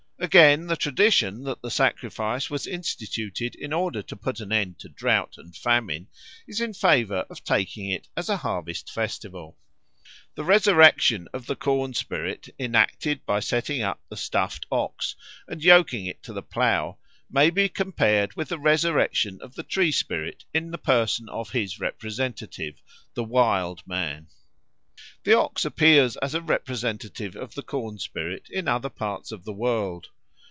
Again, the tradition that the sacrifice was instituted in order to put an end to drought and famine is in favour of taking it as a harvest festival. The resurrection of the corn spirit, enacted by setting up the stuffed OX and yoking it to the plough, may be compared with the resurrection of the tree spirit in the person of his representative, the Wild Man. The OX appears as a representative of the corn spirit in other parts of the world.